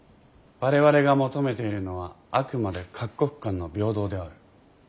我々が求めているのはあくまで各国間の平等である。